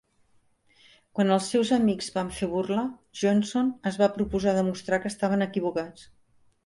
Quan els seus amics van fer burla, Johnson es va proposar demostrar que estaven equivocats.